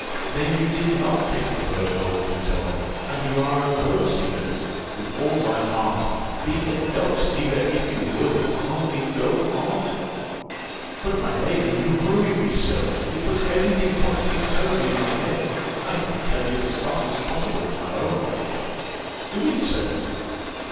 "Then you did not take the bird home to its owner and you are a bird stealer? With all my heart: be a dog stealer, if you will only go on." "But, my lady, you hurry me so, it puts every thing topsy turvy in my head; I could tell it as fast as possible my own way." "Do so, then."